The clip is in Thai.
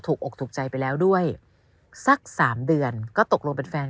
อกถูกใจไปแล้วด้วยสักสามเดือนก็ตกลงเป็นแฟน